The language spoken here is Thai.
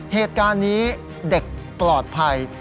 เหตุการณ์นี้เด็กปลอดภัย